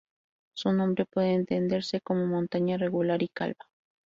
Su nombre puede entenderse como "montaña regular y calva".